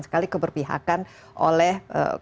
sekali keberpihakan oleh